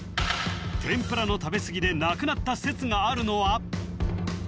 天ぷらの食べ過ぎで亡くなった説があるのは？